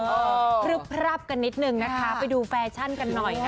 และจะพรึบพรับกันนิดนึงนะคะไปดูแฟชั่นกันหน่อย